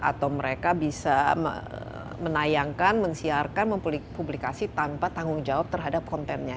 atau mereka bisa menayangkan mensiarkan mempublikasi tanpa tanggung jawab terhadap kontennya